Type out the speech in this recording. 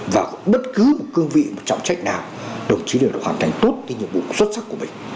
vào bất cứ một cương vị một trọng trách nào đồng chí đều đã hoàn thành tốt cái nhiệm vụ xuất sắc của mình